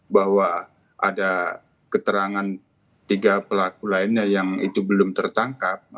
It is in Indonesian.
bahwa ada keterangan tiga pelaku lainnya yang itu belum tertangkap